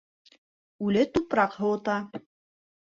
Үле тупраҡ һыуыта.